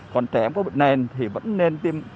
còn trẻ em có bệnh nền thì vẫn nên tiêm